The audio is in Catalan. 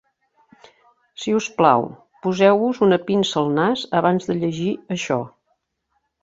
Si us plau, poseu-vos una pinça al nas abans de llegir això.